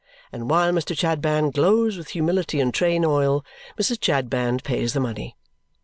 and while Mr. Chadband glows with humility and train oil, Mrs. Chadband pays the money.